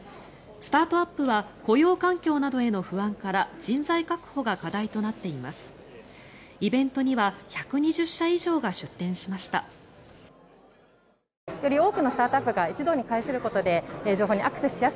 スタートアップは雇用環境などへの不安から人材確保が課題となっています。